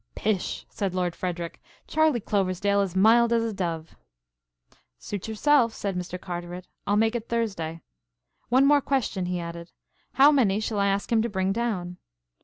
"Pish," said Lord Frederic, "Charley Ploversdale is mild as a dove." "Suit yourself," said Mr. Carteret. "I'll make it Thursday. One more question," he added. "How many shall I ask him to bring down?"